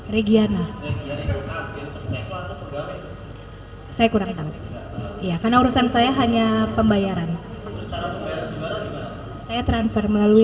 regiana saya kurang tahu ya karena urusan saya hanya pembayaran saya transfer melalui